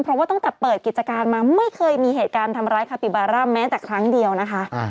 เพราะว่าตั้งแต่เปิดกิจการมาไม่เคยมีเหตุการณ์ทำร้ายคาปิบาร่าแม้แต่ครั้งเดียวนะคะ